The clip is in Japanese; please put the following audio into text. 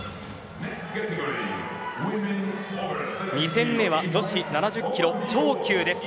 ２戦目は女子７０キロ超級です。